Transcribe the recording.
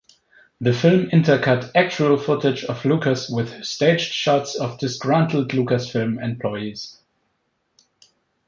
The film intercut actual footage of Lucas with staged shots of disgruntled Lucasfilm employees.